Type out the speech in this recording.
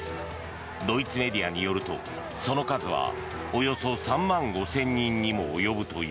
ドイツメディアによるとその数はおよそ３万５０００人にも及ぶという。